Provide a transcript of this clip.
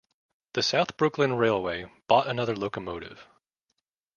The South Brooklyn Railway bought another locomotive.